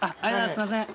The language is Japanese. すいません。